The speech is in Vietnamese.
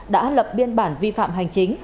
đã lập biên bản vi phạm hành chính